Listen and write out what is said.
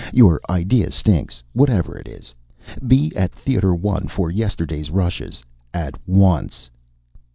"Your idea stinks. Whatever it is. Be at Theater One for yesterday's rushes! At once!"